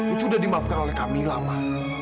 itu sudah dimaafkan oleh kamila ma